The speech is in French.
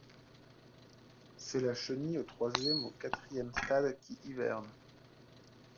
C'est la chenille au troisième ou au quatrième stade qui hiverne.